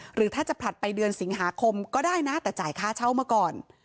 หรือถ้าจะผลัดไปเดือนสิงหาคมก็ได้นะแต่จ่ายค่าเช่ามาก่อน